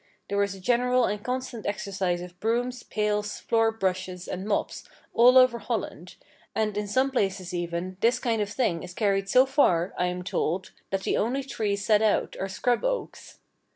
There is a general and constant exercise of brooms, pails, floor brushes and mops all over Holland, and in some places even, this kind of thing is carried so far, I am told, that the only trees set out are scrub oaks.